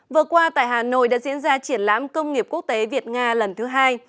vừa qua tại hà nội đã diễn ra triển lãm công nghiệp quốc tế việt nga lần thứ hai